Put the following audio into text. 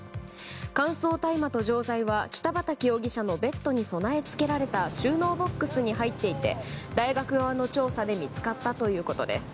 乾燥大麻と錠剤は北畠容疑者のベッドに備え付けられた収納ボックスに入っていて大学側の調査で見つかったということです。